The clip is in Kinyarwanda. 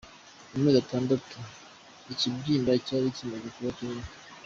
Mu mezi atandatu ikibyimba cyari kimaze kuba kinini.